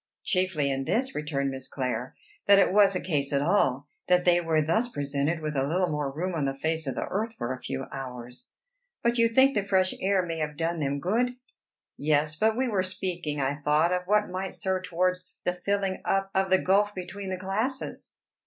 "Chiefly in this," returned Miss Clare, "that it was a case at all that they were thus presented with a little more room on the face of the earth for a few hours." "But you think the fresh air may have done them good?" "Yes; but we were speaking, I thought, of what might serve towards the filling up of the gulf between the classes."